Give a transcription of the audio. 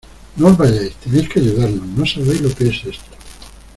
¡ No os vayáis! Tenéis que ayudarnos. no sabéis lo que es esto .